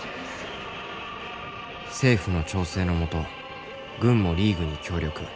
政府の調整の下軍もリーグに協力。